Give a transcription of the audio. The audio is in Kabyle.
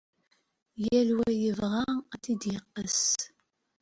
Yal wa yebɣa ad tt-id-yekkes.